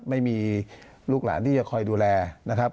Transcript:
ไม่มีลูกหลานที่จะคอยดูแลนะครับ